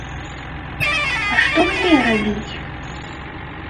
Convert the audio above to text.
А што мне рабіць?